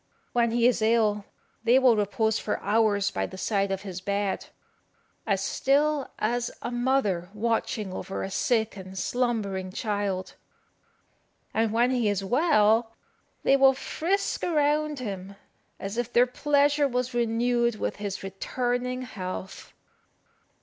When he is ill they will repose for hours by the side of his bed, as still as a mother watching over a sick and slumbering child; and when he is well they will frisk around him, as if their pleasure was renewed with his returning health.